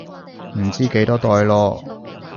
唔知幾多代囉